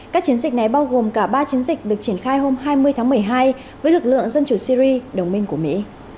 các chiến dịch này bao gồm cả ba chiến dịch được triển khai hôm hai mươi tháng một mươi hai với lực lượng dân chủ syri đồng minh của mỹ